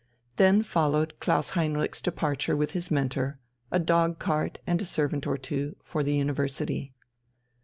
Then followed Klaus Heinrich's departure with his mentor, a dogcart and a servant or two, for the university.